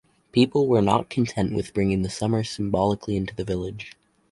People were not content with bringing the summer symbolically into the village.